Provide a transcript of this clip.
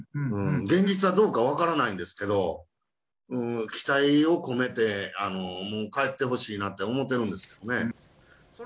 現実はどうか分からないんですけど、期待を込めて、もう帰ってほしいなって思ってるんですけどね。